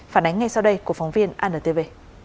phản ánh ngay sau đây của phóng viên antv